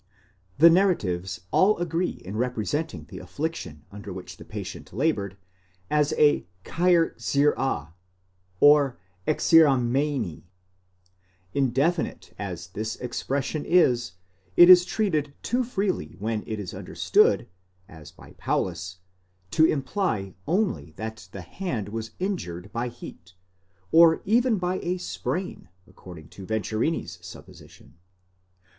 The narratives all agree in representing the affliction under which the patient laboured, as a χεὶρ Enpa, or ἐξηραμμένη. Indefinite as this expression is, it is treated too freely when it is understood, as by Paulus, to imply only that the hand was injured by heat,* or even by a sprain, according to Venturini's sup position.